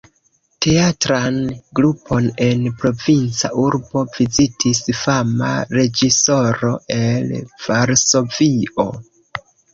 Teatran grupon en provinca urbo vizitis fama reĝisoro el Varsovio...